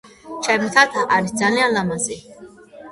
ჩემი თათა არის ძალიან ლამაზი!